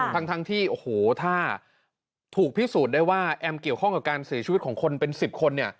ทั้งที่โอ้โหถ้าถูกพิสูจน์ได้ว่าแอมเกี่ยวข้องกับการเสียชีวิตของคนเป็น๑๐คน